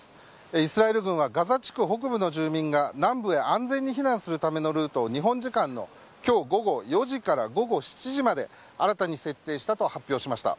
イスラエル軍はガザ地区北部の住民が南部へ安全に避難するためのルートを日本時間の今日午後４時から午後７時まで新たに設定したと発表しました。